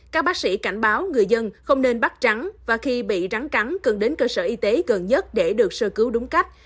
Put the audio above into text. các bác sĩ cảnh báo người dân không nên bắt trắng và khi bị rắn cắn cần đến cơ sở y tế gần nhất để được sơ cứu đúng cách